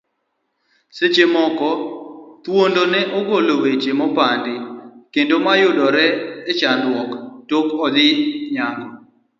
Seche moko, thuondo ne golo weche mopandi, kendo yudore e chandruok tok dhi nyango.